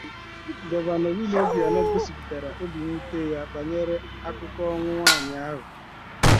Gọvanọ Willie Obiano gosipụtara obi mwute ya banyere akụkọ ọnwụ nwaanyị ahụ